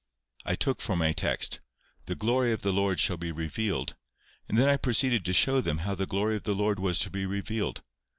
I took for my text, "The glory of the Lord shall be revealed;" and then I proceeded to show them how the glory of the Lord was to be revealed.